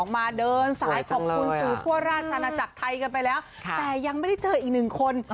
มาเดินสายขอบคุณสื่อทั่วราชนาจักรไทยกันไปแล้วแต่ยังไม่ได้เจออีกหนึ่งคน